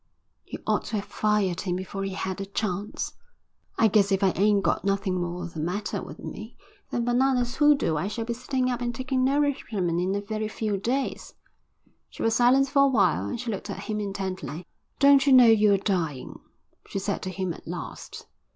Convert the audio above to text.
"You ought to have fired him before he had a chance." "I guess if I ain't got nothing more the matter with me than Bananas' hoodoo I shall be sitting up and taking nourishment in a very few days." She was silent for a while and she looked at him intently. "Don't you know you're dying?" she said to him at last.